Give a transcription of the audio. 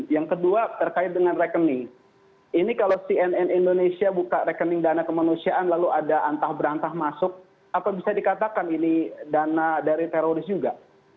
yang kedua terkait dengan rekening ini kalau cnn indonesia buka rekening dana kemanusiaan lalu ada antah berantah masuk apa bisa dikatakan ini dana dari teroris juga